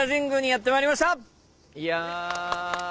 いや。